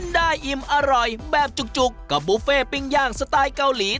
อิ่มอร่อยแบบจุกกับบุฟเฟ่ปิ้งย่างสไตล์เกาหลี